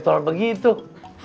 jelak pak kiai